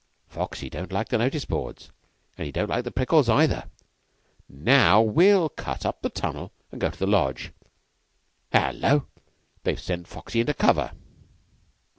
Foxy don't like the notice boards, and he don't like the prickles either. Now we'll cut up the tunnel and go to the Lodge. Hullo! They've sent Foxy into cover."